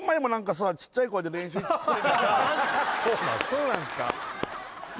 そうなんすか？